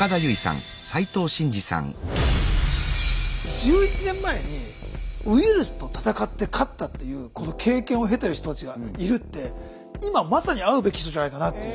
１１年前にウイルスと闘って勝ったというこの経験を経てる人たちがいるって今まさに会うべき人じゃないかなっていう。